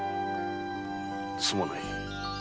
すまない。